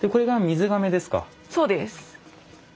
そうです。